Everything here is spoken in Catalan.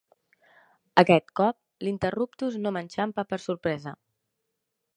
Aquest cop l'interruptus no m'enxampa per sorpresa.